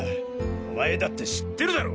お前だって知ってるだろ？